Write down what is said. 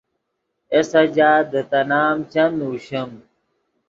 اے سجاد دے تے نام چند نوشیم۔